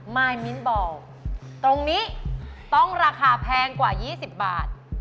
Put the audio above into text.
มายมิ้นบอกตรงนี้ต้องราคาแพงกว่า๒๐บาท